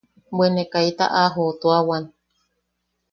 Bwe ne kaita a jootuawan.